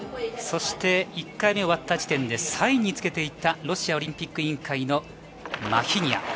１回目終わった時点で３位につけていたロシアオリンピック委員会のマヒニア。